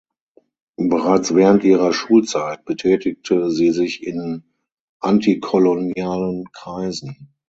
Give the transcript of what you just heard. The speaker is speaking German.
Bereits während ihrer Schulzeit betätigte sie sich in antikolonialen Kreisen.